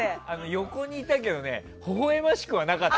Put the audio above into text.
横にいたけどねほほ笑ましくはなかった。